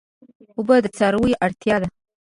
اوبه د څارویو اړتیا ده.